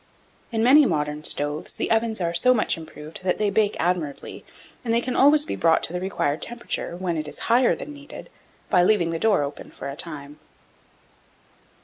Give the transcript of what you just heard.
In many modern stoves the ovens are so much improved that they bake admirably; and they can always be brought to the required temperature, when it is higher than is needed, by leaving the door open for a time.